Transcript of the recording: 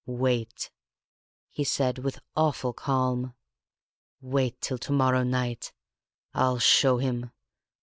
"Wait!" he said, with awful calm. "Wait till to morrow night! I'll show him!